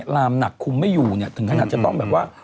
ลามหนักคุมไม่อยู่เนี่ยถึงขนาดจะต้องแบบว่า